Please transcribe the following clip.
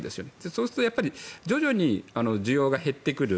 そうすると徐々に需要が減ってくる。